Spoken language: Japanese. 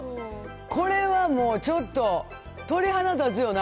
これはもう、ちょっと鳥肌立つよな。